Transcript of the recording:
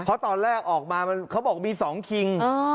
เพราะตอนแรกออกมาเขาบอกมี๒คิง